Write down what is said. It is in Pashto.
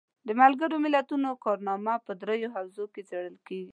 د ملګرو ملتونو کارنامه په دریو حوزو کې څیړل کیږي.